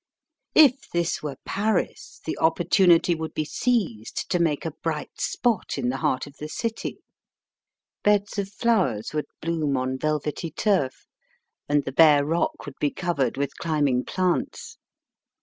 If this were Paris the oppor tunity would be seized to make a bright spot in the heart of the city. Beds of flowers would bloom on velvety turf, and the bare rock would be covered with climbing plants.